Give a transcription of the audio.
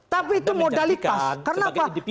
tapi itu modalitas karena apa